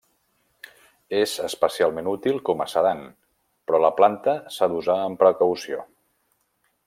És especialment útil com a sedant, però la planta s'ha d'usar amb precaució.